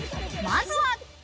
まずは。